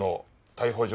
逮捕状？